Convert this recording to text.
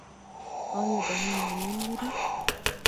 ایا دانې مو ریم لري؟